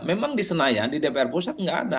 memang di senayan di dprd pusat tidak ada